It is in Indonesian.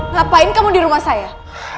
ngapain kamu di rumah saya